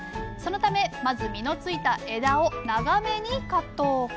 そのためまず実のついた枝を長めにカット。